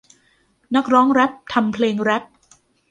นักร้องแร็พทำเพลงแรพ